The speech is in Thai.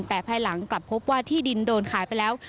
แต่ภายหลังกลับพบว่าที่ดินโดนขายไปแล้ว